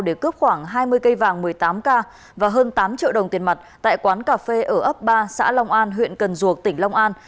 để cướp khoảng hai mươi cây vàng một mươi tám k và hơn tám triệu đồng tiền mặt tại quán cà phê ở ấp ba xã long an huyện cần duộc tỉnh long an